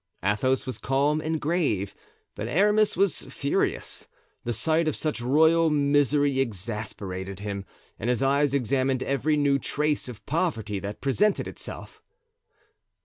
Athos was calm and grave, but Aramis was furious; the sight of such royal misery exasperated him and his eyes examined every new trace of poverty that presented itself.